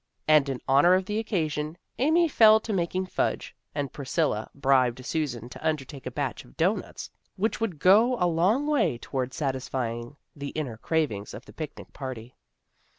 And in honor of the occasion Amy fell to making fudge, and Priscilla bribed Susan to undertake a batch of doughnuts which would go a long way toward satisfying the inner cravings of the picnic party.